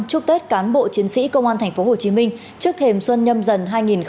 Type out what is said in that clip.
chúc tết cán bộ chiến sĩ công an tp hcm trước thềm xuân nhâm dần hai nghìn hai mươi